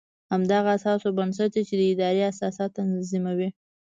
همدغه اساس او بنسټ دی چې ادارې اساسات تنظیموي.